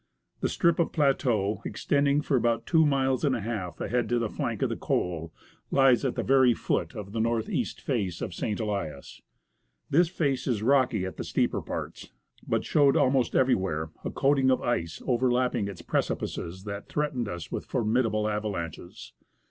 The strip of plateau, extending for about two miles and a half ahead to the flank of the co/, lies at the very foot of the north east face of St. Elias. This face is rocky at the steeper parts, but showed almost everywhere a 146 THE ASCENT OF MOUNT ST. ELIAS coating of ice overlapping its precipices that threatened us with formidable avalanches.